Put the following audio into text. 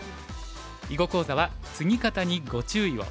囲碁講座は「ツギ方にご注意を！」。